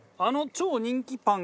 超人気パン？